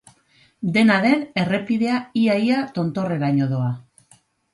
Dena den, errepidea ia-ia tontorreraino doa.